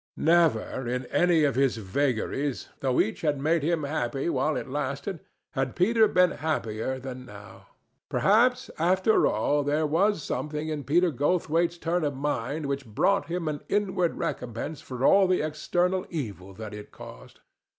Never, in any of his vagaries, though each had made him happy while it lasted, had Peter been happier than now. Perhaps, after all, there was something in Peter Goldthwaite's turn of mind which brought him an inward recompense for all the external evil that it caused.